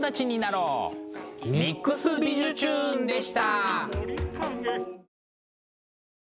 「ＭＩＸびじゅチューン！」でした。